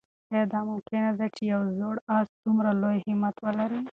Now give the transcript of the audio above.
آیا دا ممکنه ده چې یو زوړ آس دومره لوی همت ولري؟